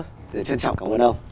xin trân trọng cảm ơn ông